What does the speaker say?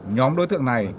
nhóm đối tượng này